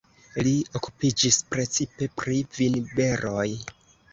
Li okupiĝis precipe pri vinberoj.